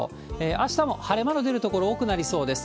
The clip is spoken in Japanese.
あしたも晴れ間の出る所多くなりそうです。